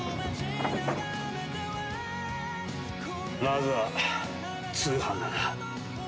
まずは通販だな。